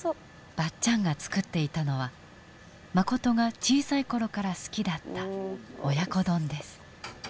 ばっちゃんが作っていたのはマコトが小さい頃から好きだった親子丼です。